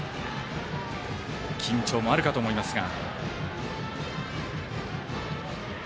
緊張もあるかと思いますが。